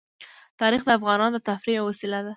تاریخ د افغانانو د تفریح یوه وسیله ده.